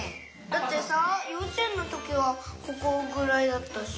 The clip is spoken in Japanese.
だってさようちえんのときはここぐらいだったし。